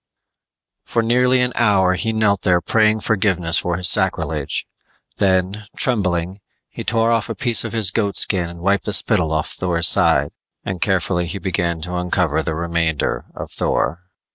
_ For nearly an hour he knelt there praying forgiveness for his sacrilege. Then, trembling, he tore off a piece of his goatskin and wiped the spittle off Thor's side, carefully began to uncover the remainder of Thor.